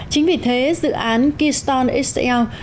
chính vì thế dự án keystone xl